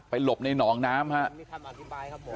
ไปหลบในนอนค์น้ำครับ